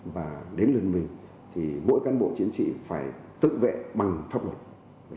và đến lần mình thì mỗi cán bộ chiến sĩ phải tự vệ bằng pháp luật